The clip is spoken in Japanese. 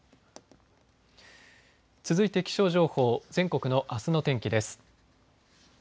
続いて、気象情報全国のあすの天気です。